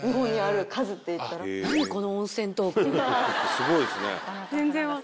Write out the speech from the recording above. すごいっすね。